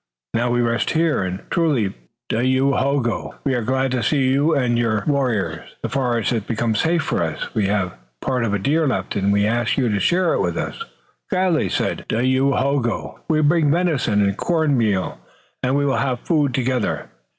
Now we rest here, and truly, Dayohogo, we are glad to see you and your warriors. The forest has become safe for us. We have part of a deer left, and we ask you to share it with us." "Gladly," said Dayohogo. "We bring venison and corn meal, and we will have food together."